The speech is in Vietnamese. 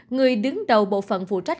người đứng đầu bộ phận phụ trách